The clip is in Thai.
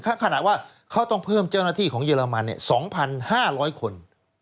ขนาดว่าเขาต้องเพิ่มเจ้าหน้าที่ของเยอรมัน๒๕๐๐คน